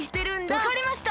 わかりました！